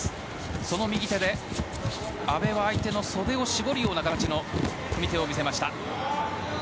その右手で、阿部は相手の袖を絞るような形の組み手を見せました。